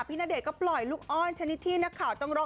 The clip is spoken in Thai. ณเดชน์ก็ปล่อยลูกอ้อนชนิดที่นักข่าวต้องรอ